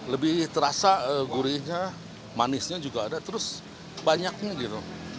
lebih terasa gurihnya manisnya juga ada terus banyaknya gitu